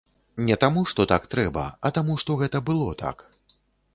Не таму, што так трэба, а таму, што гэта было так.